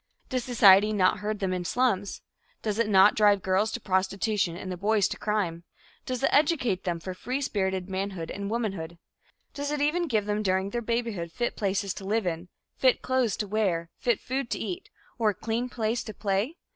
Does society not herd them in slums? Does it not drive the girls to prostitution and the boys to crime? Does it educate them for free spirited manhood and womanhood? Does it even give them during their babyhood fit places to live in, fit clothes to wear, fit food to eat, or a clean place to play?